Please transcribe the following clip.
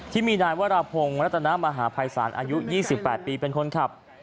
ที่มีนายวราพงศ์รัตนามหาภัยศาลอายุ๒๘ปีเป็นคนขับ